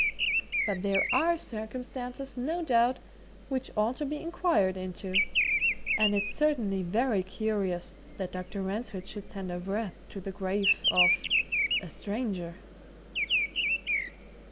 "But there are circumstances, no doubt, which ought to be inquired into. And it's certainly very curious that Dr. Ransford should send a wreath to the grave of a stranger."